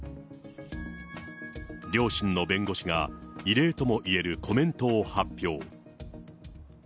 両親の弁護士が、異例ともいえるコメントを発表。